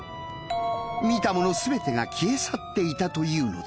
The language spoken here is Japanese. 見たもの全てが消え去っていたというのだ。